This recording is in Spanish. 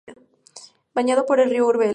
Bañado por el río Urbel.